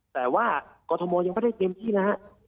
แต่ว่ากรทมยังไม่ได้เต็มที่นะฮะ